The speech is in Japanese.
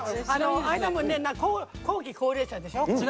後期高齢者でしょ。